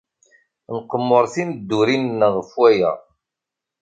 Nqemmer timeddurin-nneɣ ɣef waya.